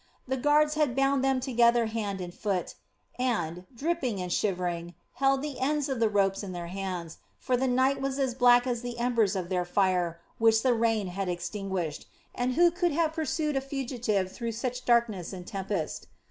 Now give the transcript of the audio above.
The guards had bound them together hand and foot and, dripping and shivering, held the ends of the ropes in their hands; for the night was as black as the embers of their fire which the rain had extinguished, and who could have pursued a fugitive through such darkness and tempest.